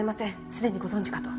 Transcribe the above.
すでにご存じかと。